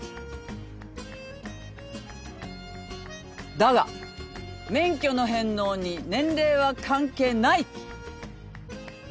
だが免許の返納に年齢は関係ない。